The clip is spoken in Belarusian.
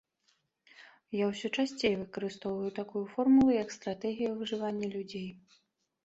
Я ўсё часцей выкарыстоўваю такую формулу як стратэгія выжывання людзей.